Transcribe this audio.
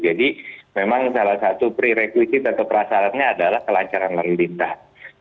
jadi memang salah satu prerequisite atau perasaannya adalah kelancaran lalu lintas